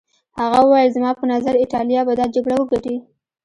هغه وویل زما په نظر ایټالیا به دا جګړه وګټي.